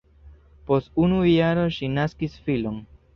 Post unu jaro ŝi naskis filon.